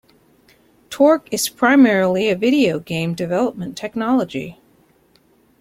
Torque is primarily a video game development technology.